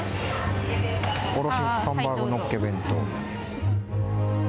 おろしハンバーグのっけ弁当。